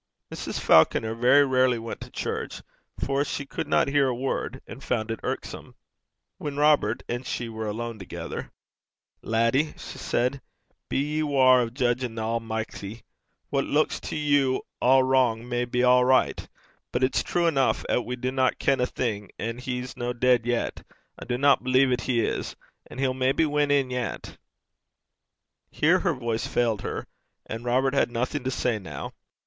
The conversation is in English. Mrs. Falconer very rarely went to church, for she could not hear a word, and found it irksome. When Robert and she were alone together, 'Laddie,' she said, 'be ye waure o' judgin' the Almichty. What luiks to you a' wrang may be a' richt. But it's true eneuch 'at we dinna ken a'thing; an' he's no deid yet I dinna believe 'at he is and he'll maybe win in yet.' Here her voice failed her. And Robert had nothing to say now.